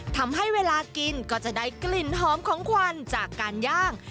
ทำให้เวลากินก็จะได้กลิ่นหอมของควันจากการย่าง